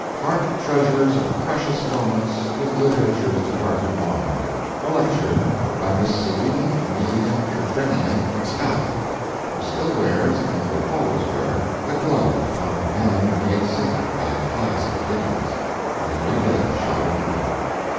"Heart Treasures of Precious Moments with Literature's Departed Monarch." A lecture. By Miss Serena Amelia Tryphenia McSpadden, who still wears, and will always wear, a glove upon the hand made sacred by the clasp of Dickens. Only Death shall remove it.